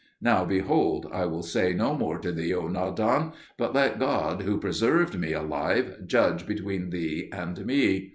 Now, behold, I will say no more to thee, O Nadan; but let God, who preserved me alive, judge between thee and me."